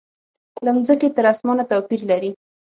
له مځکې تر اسمانه توپیر لري.